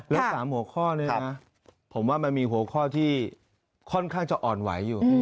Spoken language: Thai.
แล้ว๓หัวข้อนี้นะผมว่ามันมีหัวข้อที่ค่อนข้างจะอ่อนไหวอยู่